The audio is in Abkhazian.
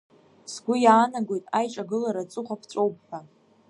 Сгәы иаанагоит аиҿагылара аҵыхәа ԥҵәоуп ҳәа.